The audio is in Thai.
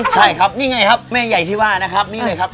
ใช่ครับนี่ไงครับแม่ใหญ่ที่ว่านะครับนี่เลยครับ